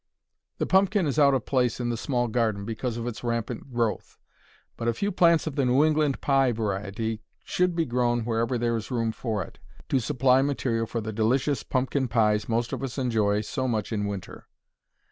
The pumpkin is out of place in the small garden because of its rampant growth, but a few plants of the New England Pie variety should be grown wherever there is room for it, to supply material for the delicious pumpkin pies most of us enjoy so much in winter.